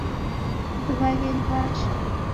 Waghenyi w'acha